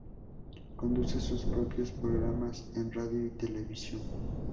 Conduce sus propios programas en radio y televisión.